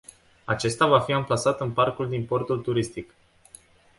Acesta va fi amplasat în parcul din portul turistic.